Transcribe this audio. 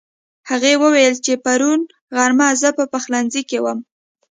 هغې وويل چې پرون غرمه زه په پخلنځي کې وم